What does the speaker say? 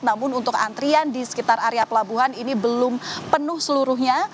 namun untuk antrian di sekitar area pelabuhan ini belum penuh seluruhnya